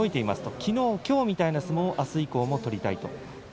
きのうきょうみたいな相撲をあす以降も取りたい。